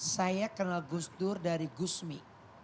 saya kenal gus dur dari gusmi